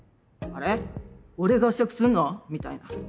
あれ俺がお酌すんの？みたいな。